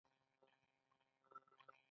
دا کار په ازاد بازار کې ترسره کیږي.